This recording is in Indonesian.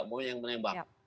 mau yang menembak